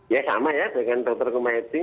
ya sama ya dengan dokter ke medis